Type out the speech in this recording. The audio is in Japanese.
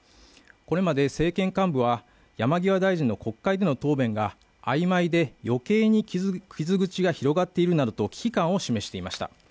これまで政権幹部は、山際大臣の国会での答弁が曖昧で余計に傷口が広がっているなどと危機感を示していました。